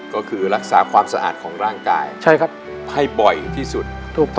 ก็คือรักษาความสะอาดของร่างกายใช่ครับให้บ่อยที่สุด